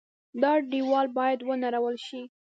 دا دېوال باید ونړول شي.